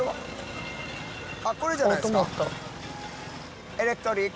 あっこれじゃないですか？